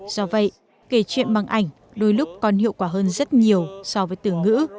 do vậy kể chuyện bằng ảnh đôi lúc còn hiệu quả hơn rất nhiều so với từ ngữ